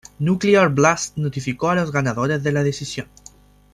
Nuclear Blast notificó a los ganadores de la decisión.